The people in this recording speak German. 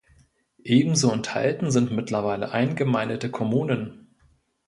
Ebenso enthalten sind mittlerweile eingemeindete Kommunen.